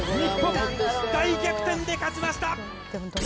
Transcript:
大逆転で勝ちました。